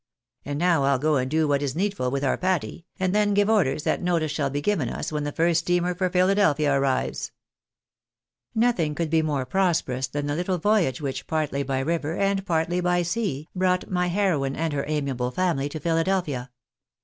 And now I'll go and do what is needful with our Patty, and then give orders that notice shall be given us when the first steamer for Philadelphia arrives." NEW ORLEANS VERSUS PHILADELnilA SOFAS. 219 Nothing could be more prosperous than the little voyage which, partly by river, and partly by sea, brought my heroine and her amiable family to Philadelphia.